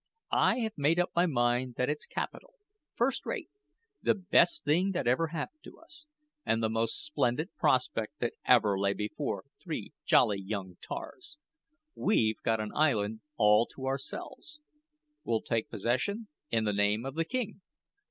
"I have made up my mind that it's capital first rate the best thing that ever happened to us, and the most splendid prospect that ever lay before three jolly young tars. We've got an island all to ourselves. We'll take possession in the name of the king.